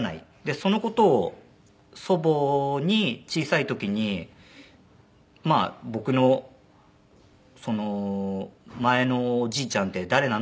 その事を祖母に小さい時に「僕の前のおじいちゃんって誰なの？」